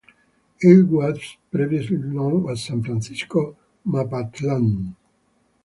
It was previously known as San Francisco Mapachtlan.